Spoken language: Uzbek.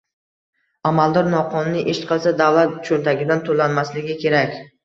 Amaldor noqonuniy ish qilsa, davlat cho‘ntagidan to‘lanmasligi kerak